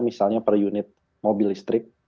misalnya per unit mobil listrik